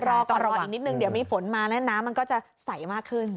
รออีกนิดนึงเดี๋ยวมีฝนมาแล้วน้ำมันก็จะใสมากขึ้น